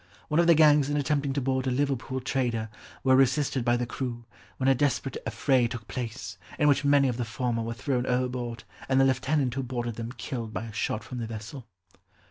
One of the gangs in attempting to board a Liverpool trader, were resisted by the crew, when a desperate affray took place, in which many of the former were thrown overboard, and the lieutenant who boarded them killed by a shot from the vessel."